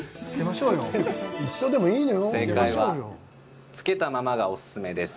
正解はつけたままが、おすすめです。